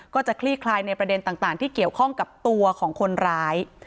คลี่คลายในประเด็นต่างที่เกี่ยวข้องกับตัวของคนร้าย